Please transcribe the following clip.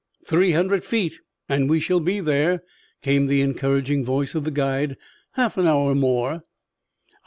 "Three hundred feet and we shall be there," came the encouraging voice of the guide. "Half an hour more."